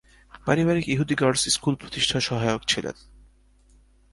পরিবার ইহুদি girls school প্রতিষ্ঠার সহায়ক ছিল।